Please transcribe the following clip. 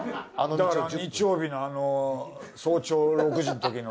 だから日曜日の早朝６時のときの。